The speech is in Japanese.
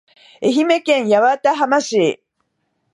愛媛県八幡浜市